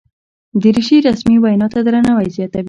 دریشي رسمي وینا ته درناوی زیاتوي.